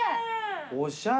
おしゃれ。